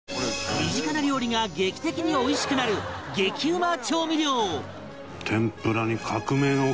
身近な料理が劇的においしくなる激ウマ調味料！